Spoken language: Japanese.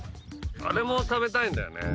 あれも食べたいんだよね。